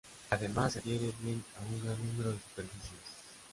Además, se adhiere bien a un gran número de superficies.